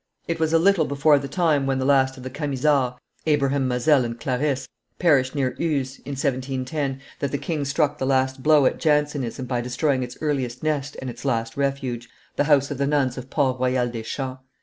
It was a little before the time when the last of the Camisards, Abraham Mazel and Claris, perished near Uzes (in 1710), that the king struck the last blow at Jansenism by destroying its earliest nest and its last refuge, the house of the nuns of Port Royal des Champs.